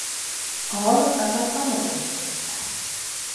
A halottakat a Marosba dobták.